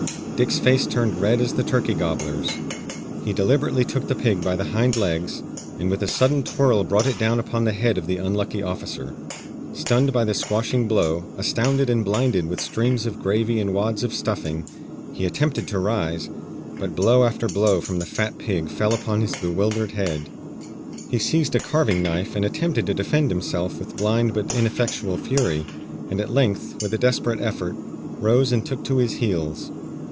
Dick's face turned red as a turkey gobbler's. He deliberately took the pig by the hind legs, and with a sudden whirl brought it down upon the head of the unlucky officer. Stunned by the squashing blow, astounded and blinded with streams of gravy and wads of stuffing, he attempted to rise, but blow after blow from the fat pig fell upon his bewildered head. He seized a carving knife and attempted to defend himself with blind but ineffectual fury, and at length, with a desperate effort, rose and took to his heels.